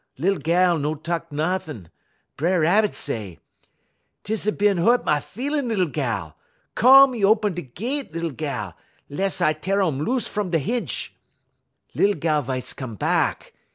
"Lil gal no talk nuttin'. B'er Rabbit say: "''T is a bin hu't me feelin', lil gal! Come y open da gett, lil gal, less I teer um loose from da hinch.' "Lil gal v'ice come bahk.